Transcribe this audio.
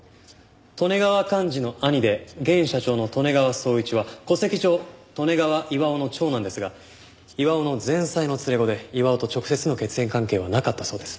利根川寛二の兄で現社長の利根川宗一は戸籍上利根川巌の長男ですが巌の前妻の連れ子で巌と直接の血縁関係はなかったそうです。